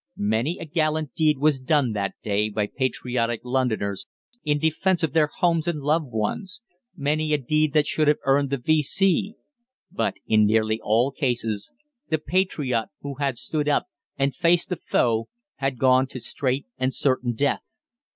Many a gallant deed was done that day by patriotic Londoners in defence of their homes and loved ones many a deed that should have earned the V.C. but in nearly all cases the patriot who had stood up and faced the foe had gone to straight and certain death.